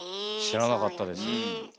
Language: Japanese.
知らなかったです。